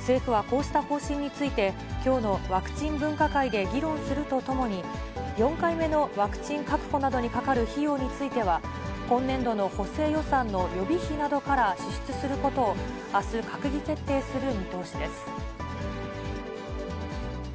政府はこうした方針について、きょうのワクチン分科会で議論するとともに、４回目のワクチン確保などにかかる費用については、今年度の補正予算の予備費などから支出することをあす閣議決定す